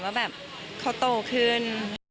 ว่าแบบเขาโตขึ้น